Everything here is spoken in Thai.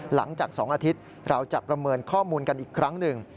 หลังจาก๒อาทิตย์เราจะประเมินข้อมูลกันอีกครั้งหนึ่ง